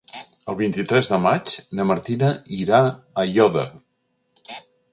El vint-i-tres de maig na Martina irà a Aiòder.